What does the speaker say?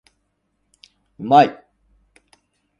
うまい